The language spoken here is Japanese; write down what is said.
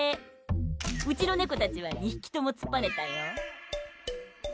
うちのネコたちは２匹ともつっぱねたよ。